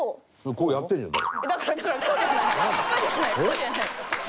こうやってるじゃない。